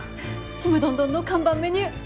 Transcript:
ちむどんどんの看板メニュー！